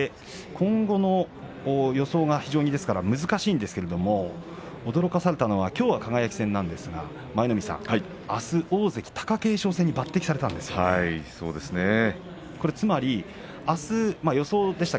今後の予想が非常に難しいんですけれど驚かされたのはきょうは輝戦なんですが舞の海さん、あす大関貴景勝戦に抜てきされました。